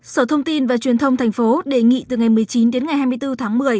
sở thông tin và truyền thông thành phố đề nghị từ ngày một mươi chín đến ngày hai mươi bốn tháng một mươi